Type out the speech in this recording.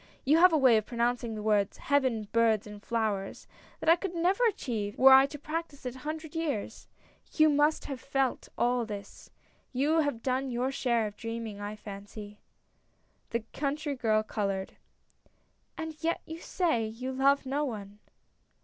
You have a way of pronouncing the words 'Heaven, birds, and flowers ' that I could never achieve were I to practice it a hundred years. You must have felt all this. You have done your share of dreaming, I fancy !" The country girl colored. "And yet you say — you love no one."